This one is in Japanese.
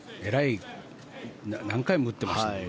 何回も打ってましたね。